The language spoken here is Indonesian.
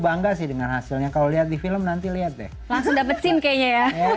bangga sih dengan hasilnya kalau lihat di film nanti lihat deh langsung dapet scene kayaknya ya